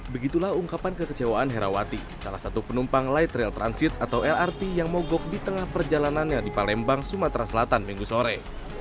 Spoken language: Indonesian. begitulah ungkapan kekecewaan herawati salah satu penumpang light rail transit atau lrt yang mogok di tengah perjalanannya di palembang sumatera selatan minggu sore